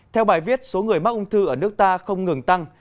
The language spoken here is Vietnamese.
theo bài viết số người mắc ung thư ở nước ta không ngừng tăng